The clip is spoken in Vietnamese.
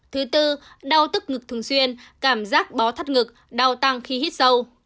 thứ tư đau tức ngực thường xuyên cảm giác bó thắt ngực đau tăng khi hít sâu